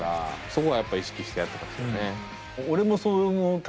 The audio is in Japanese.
そこはやっぱ意識してやってますよね。